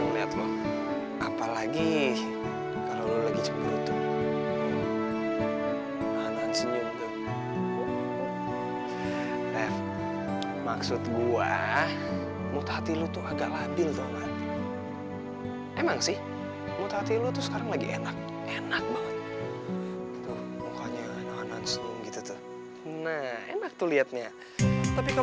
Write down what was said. bener banget ya